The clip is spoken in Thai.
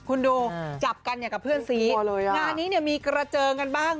คุณดูจับกันอย่างกับเพื่อนสีงานนี้เนี่ยมีกระเจิงกันบ้าง